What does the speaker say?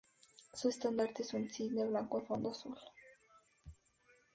Su estandarte es un cisne blanco en un fondo azul.